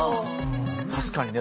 確かにね